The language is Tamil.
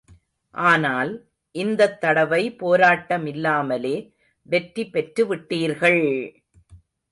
ஆனால், இந்தத் தடவை போராட்டமில்லாமலே வெற்றி பெற்றுவிட்டீர்கள்!